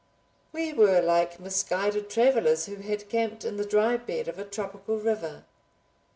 We were like misguided travelers who had camped in the dry bed of a tropical river.